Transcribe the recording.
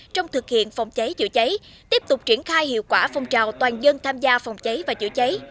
trong thực hiện phòng cháy chữa cháy tiếp tục triển khai hiệu quả phong trào toàn dân tham gia phòng cháy và chữa cháy